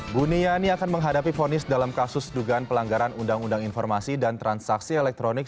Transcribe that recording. buniani akan menghadapi fonis dalam kasus dugaan pelanggaran undang undang informasi dan transaksi elektronik